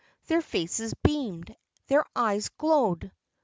... Their faces beamed, their eyes glowed.